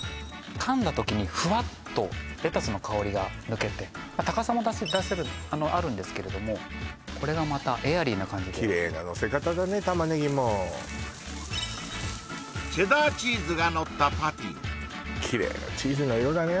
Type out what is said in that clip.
噛んだ時にふわっとレタスの香りが抜けて高さも出せるあるんですけれどもこれがまたエアリーな感じでキレイなのせ方だねタマネギもチェダーチーズがのったパティキレイなチーズの色だね